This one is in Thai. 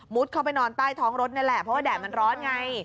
เข้าไปนอนใต้ท้องรถนี่แหละเพราะว่าแดดมันร้อนไง